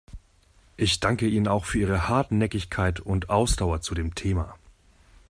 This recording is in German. Ich danke Ihnen auch für Ihre Hartnäckigkeit und Ausdauer zu dem Thema.